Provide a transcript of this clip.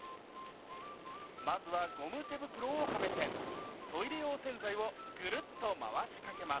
まずはゴム手袋をはめてトイレ用洗剤をぐるっと回しかけます。